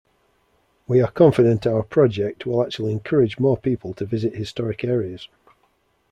We are confident our project will actually encourage more people to visit historic areas.